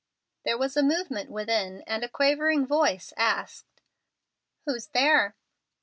There was a movement within, and a quavering voice asked, "Who's there?"